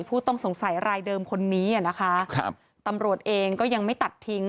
ผู้ต้องสงสัยรายเดิมคนนี้อ่ะนะคะครับตำรวจเองก็ยังไม่ตัดทิ้ง